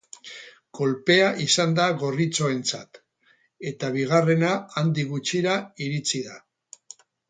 Kolpea izan da gorritxoentzat, eta bigarrena handik gutxira iritsi da.